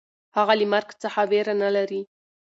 هغه له مرګ څخه وېره نهلري.